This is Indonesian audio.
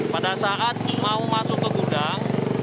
pada saat mau masuk ke gudang